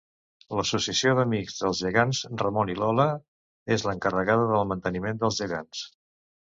L'Associació d'Amics dels Gegants Ramon i Lola és l'encarregada del manteniment dels gegants.